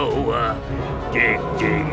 siapa yang mau mengantar nyawa